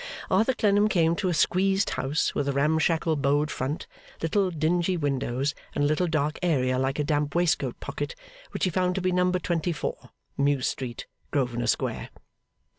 Arthur Clennam came to a squeezed house, with a ramshackle bowed front, little dingy windows, and a little dark area like a damp waistcoat pocket, which he found to be number twenty four, Mews Street, Grosvenor Square.